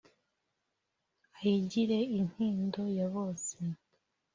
ayigire intindo ya bose